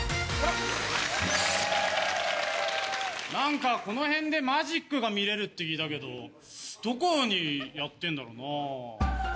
何かこの辺でマジックが見れるって聞いたけどどこでやってんだろうな。